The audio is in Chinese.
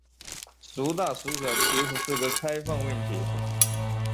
孰大孰小其实是个开放问题。